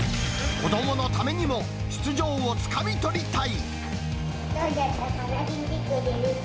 子どものためにも出場をつかみ取りたい。